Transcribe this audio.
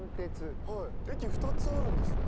駅２つあるんですね